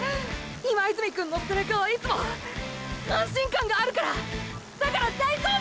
今泉くんの背中はいつも安心感があるからだから大丈夫！！